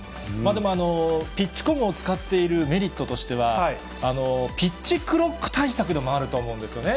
でもピッチコムを使っている、メリットとしては、ピッチクロック対策でもあると思うんですよね。